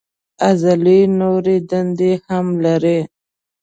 عضلې نورې دندې هم لري.